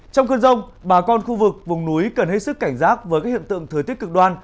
trong cơn rông bà con khu vực vùng núi cần hết sức cảnh giác với các hiện tượng thời tiết cực đoan